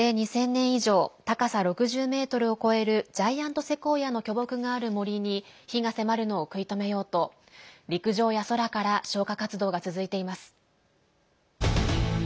２０００年以上高さ６０ｍを超えるジャイアント・セコイアの巨木がある森に火が迫るのを食い止めようと陸上や空から消火活動が続いています。